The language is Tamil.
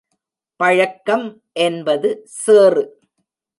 பழக்கம் என்பது சேறு.